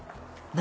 何？